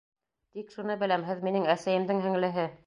Тик шуны беләм: һеҙ минең әсәйемдең һеңлеһе...